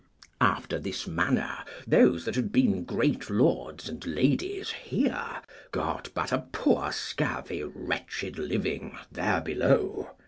After this manner, those that had been great lords and ladies here, got but a poor scurvy wretched living there below.